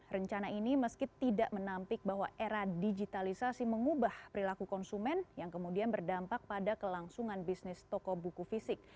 rencana ini meski tidak menampik bahwa era digitalisasi mengubah perilaku konsumen yang kemudian berdampak pada kelangsungan bisnis toko buku fisik